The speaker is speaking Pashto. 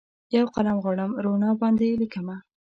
یوقلم غواړم روڼا باندې لیکمه